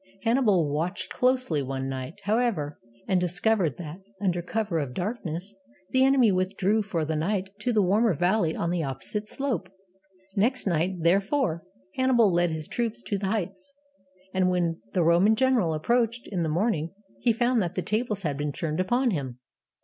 Hannibal watched closely one night, however, and discovered that, under cover of darkness, the enemy withdrew for the night to the warmer valley on the opposite slope. Next night, therefore, Hannibal led his troops to the heights, and, when the Roman general approached in the morning, he found that the tables had been turned upon him.